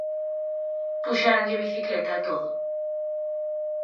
Puxéranlle bicicleta e todo.